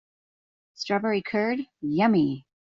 Strawberry curd, yummy!